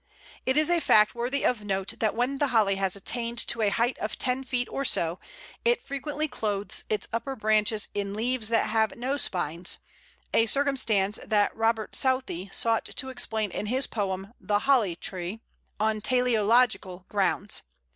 It is a fact worthy of note that when the Holly has attained to a height of ten feet or so, it frequently clothes its upper branches in leaves that have no spines a circumstance that Robert Southey sought to explain in his poem "The Holly tree," on teleological grounds.